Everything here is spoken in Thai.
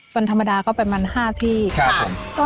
วันธรรมดาก็ประมาณ๕ที่ค่ะ